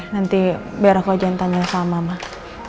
nanti biar aku aja yang tanya sama mbak